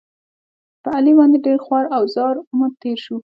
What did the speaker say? په علي باندې ډېر خوار او زار عمر تېر شو.